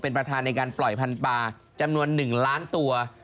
เป็นประธานในการปล่อยพันธุ์ปลาจำนวน๑ล้านตัว